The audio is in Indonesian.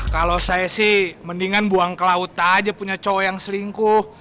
kalau saya sih mendingan buang ke laut aja punya cowok yang selingkuh